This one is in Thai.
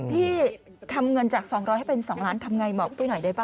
พี่ทำเงินจาก๒๐๐ให้เป็น๒ล้านทำไงบอกตุ้ยหน่อยได้ป่